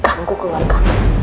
dia mengganggu keluarga